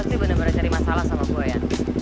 kau sih bener bener cari masalah sama gue ya